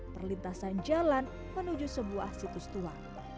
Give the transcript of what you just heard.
perlintasan jalan menuju sebuah situs tua